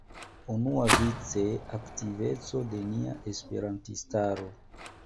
Unuavice aktiveco de nia esperantistaro.